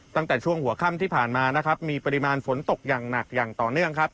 ตั้งแต่ช่วงหัวค่ำที่ผ่านมานะครับมีปริมาณฝนตกอย่างหนักอย่างต่อเนื่องครับ